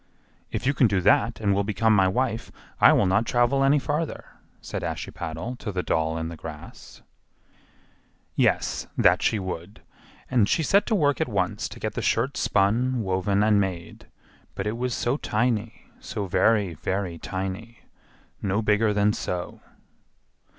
"If you can do that and will become my wife, I will not travel any farther," said Ashiepattle to the doll in the grass. Yes, that she would, and she set to work at once to get the shirt spun, woven, and made; but it was so tiny, so very, very tiny, no bigger than—so!